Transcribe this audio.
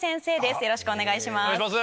よろしくお願いします。